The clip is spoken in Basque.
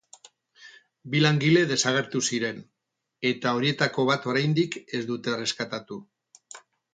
Bi langile desagertu ziren, eta horietako bat oraindik ez dute erreskatatu.